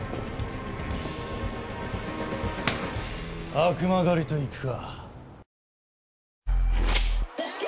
悪魔狩りといくか。